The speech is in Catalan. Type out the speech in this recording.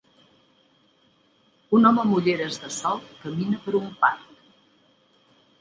Un home amb ulleres de sol camina per un parc.